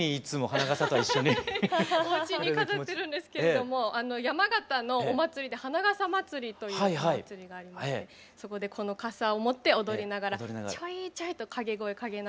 おうちに飾ってるんですけれども山形のお祭りで「花笠まつり」というお祭りがありましてそこでこの笠を持って踊りながら「チョイチョイ」と掛け声かけながら。